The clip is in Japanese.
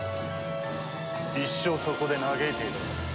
一生そこで嘆いていろ。